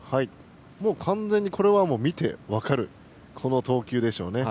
完全に見て分かるこの投球でしょうね。